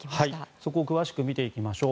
そこを詳しく見ていきましょう。